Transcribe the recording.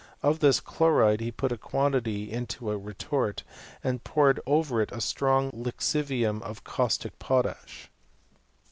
Of this chloride he put a quantity into a re^ tort, and poured over it a strong lixivium of. caustic potash.